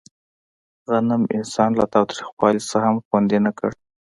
غنم انسان له تاوتریخوالي نه هم خوندي نه کړ.